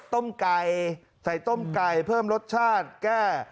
ต้มไก่ใส่ต้มไก่เพิ่มรสชาติแก้